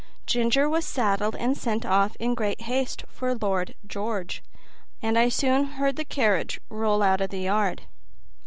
Ginger was saddled and sent off in great haste for Lord George, and I soon heard the carriage roll out of the yard.